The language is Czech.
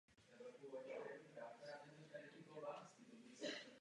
Záleží jen na hustotě vzorkování a na zvoleném počtu bitů pro zobrazení jednotlivých vzorků.